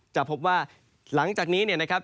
จะพบว่าหลังจากนี้เนี่ยนะครับ